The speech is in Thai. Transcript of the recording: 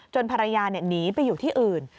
ภรรยาหนีไปอยู่ที่อื่น